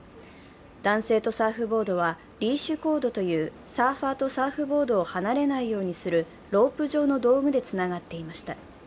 男性とサーフボードはリーシュコードというサーファーとサーフボードを離れないようにするロープ状の道具でつながっていました。